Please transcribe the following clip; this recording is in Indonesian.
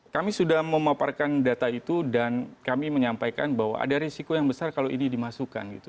kami sudah memaparkan data itu dan kami menyampaikan bahwa ada risiko yang besar kalau ini dimasukkan gitu